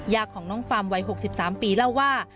ยากของน้องฟาร์มวัย๖๓ปีเล่าว่า